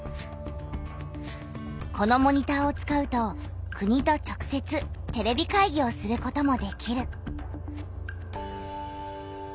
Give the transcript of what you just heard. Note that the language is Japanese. このモニターを使うと国と直せつテレビ会議をすることもできる。